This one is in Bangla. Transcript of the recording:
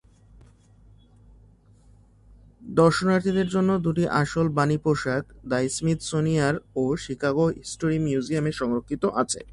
দর্শনার্থীদের জন্য দুটি আসল বানি পোশাক দ্য স্মিথসোনিয়ান ও শিকাগো হিস্টোরি মিউজিয়ামে সংরক্ষিত আছে।